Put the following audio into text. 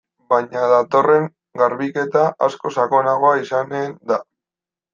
Baina datorren garbiketa askoz sakonagoa izanen da.